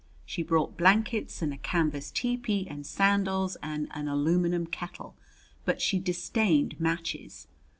She brought blankets and a canvas tepee and sandals and an aluminum kettle, but she disdained matches.